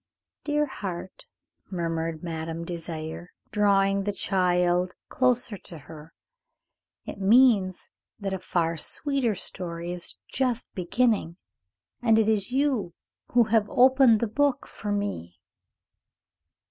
"Dear heart," murmured Madame Désiré, drawing the child closer to her, "it means that a far sweeter story is just beginning, and it is you who have opened the book for me."